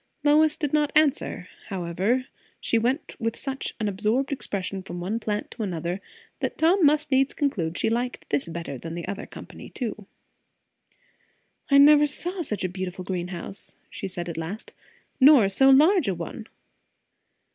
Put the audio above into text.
Lois did not answer; however, she went with such an absorbed expression from one plant to another, that Tom must needs conclude she liked this better than the other company too. "I never saw such a beautiful greenhouse," she said at last, "nor so large a one."